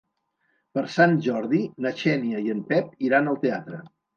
Per Sant Jordi na Xènia i en Pep iran al teatre.